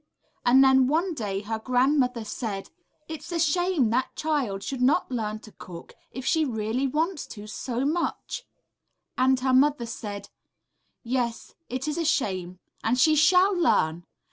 And then one day her grandmother said, ``It's a shame that child should not learn to cook if she really wants to so much;'' and her mother said ``Yes, it is a shame, and she shall learn!